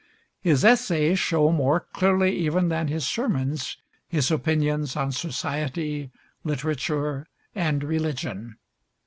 His essays show more clearly even than his sermons his opinions on society, literature, and religion.